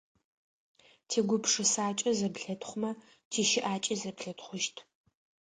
ТигупшысакӀэ зэблэтхъумэ тищыӀакӀи зэблэтхъушъущт.